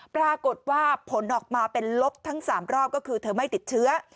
ปรากฏว่าผลออกมาเป็นลบทั้ง๓รอบก็คือเธอไม่ติดเชื้อ